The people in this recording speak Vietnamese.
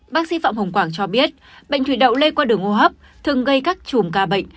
bác sĩ phạm hồng quảng cho biết bệnh thủy đậu lây qua đường hô hấp thường gây các chùm ca bệnh